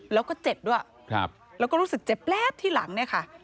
แล้วก็เจ็บด้วยแล้วก็รู้สึกเจ็บแป๊บที่หลังเนี่ยค่ะ